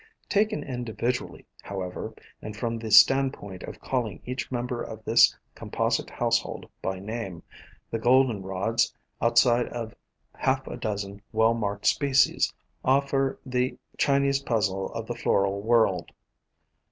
Taken individually, however, and from the standpoint of calling each member of this Com posite household by name, the Goldenrods, outside of half a dozen well marked species, offer the Chi nese puzzle of the floral world.